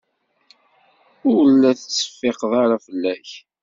Ur la ttseffiqeɣ ara fell-ak.